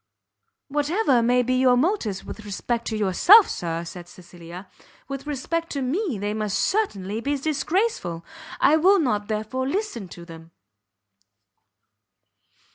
"Whatever may be your motives with respect to yourself, Sir," said Cecilia, "with respect to me they must certainly be disgraceful; I will not, therefore, listen to them."